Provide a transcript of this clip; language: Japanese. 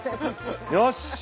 よし。